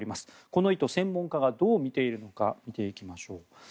この意図専門家がどう見ているのか見ていきましょう。